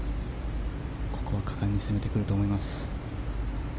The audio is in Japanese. ここは果敢に攻めてくると思います。